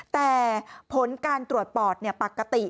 แต่ผลการตรวจปอดปกติ